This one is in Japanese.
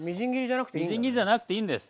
みじん切りじゃなくていいんだね。